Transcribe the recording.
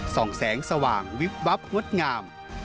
แสงสว่างวิบวับงดงาม